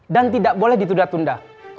dan tidak boleh ditunda tunda